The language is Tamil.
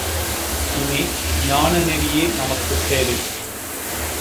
இனி, ஞான நெறியே நமக்குத் தேவை.